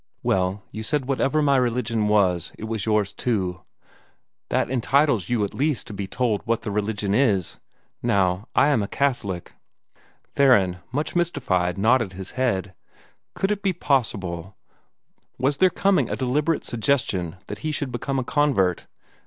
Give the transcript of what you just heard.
"Well, you said whatever my religion was, it was yours too. That entitles you at least to be told what the religion is. Now, I am a Catholic." Theron, much mystified, nodded his head. Could it be possible was there coming a deliberate suggestion that he should become a convert?